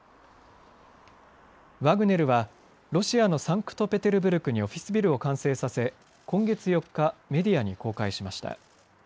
ワグネルはロシアのサンクトペテルブルクにオフィスビルを完成させ今月４日、メディアに公開しました。